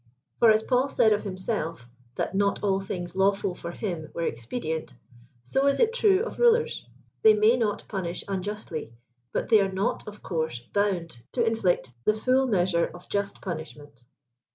For, as Paul said of him self, that not all things lawful for him were expedient, so is it true of rulers. They may not punish unj ustly, but they are not of course bound to infiict the full measure of just punishment.